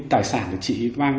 tài sản thì chỉ mang